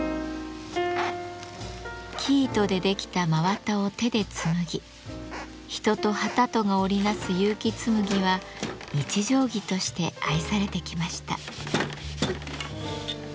生糸で出来た真綿を手で紡ぎ人と機とが織り成す結城紬は日常着として愛されてきました。